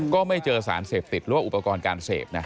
ก็ไม่เจอสารเสพติดหรือว่าอุปกรณ์การเสพนะ